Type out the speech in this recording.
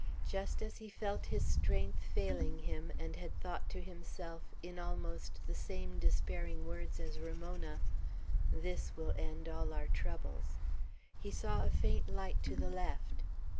Just as he felt his strength failing him, and had thought to himself, in almost the same despairing words as Ramona, "This will end all our troubles," he saw a faint light to the left.